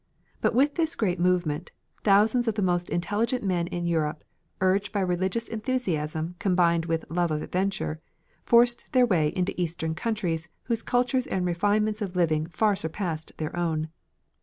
But with this great movement, thousands of the most intelligent men in Europe, urged by religious enthusiasm combined with love of adventure, forced their way into eastern countries whose culture and refinements of living far surpassed their own.